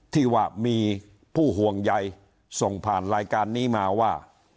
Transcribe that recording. ที่ว่ามีผู้ห่วงใยส่งผ่านรายการนี้มาว่า